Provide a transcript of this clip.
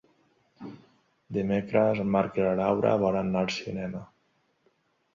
Dimecres en Marc i na Laura volen anar al cinema.